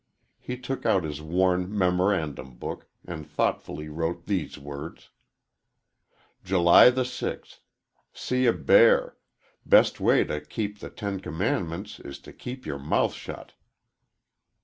He took out his worn memorandum book and thoughtfully wrote these words: _"July the 6 "See a bear best way to kepe the ten commandments is to kepe yer mouth shet."